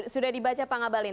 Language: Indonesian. sudah dibaca pak ngabalin